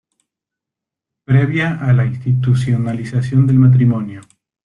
Previa a la institucionalización del matrimonio.